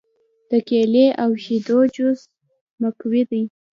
د کیلې او شیدو جوس مقوي دی.